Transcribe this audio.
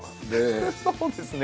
そうですね。